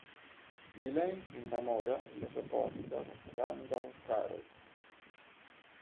Di lei si innamora il reporter Randall Carey.